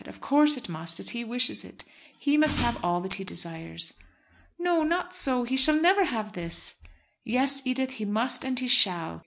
"Of course it must, as he wishes it. He must have all that he desires." "No, not so. He shall never have this." "Yes, Edith, he must and he shall.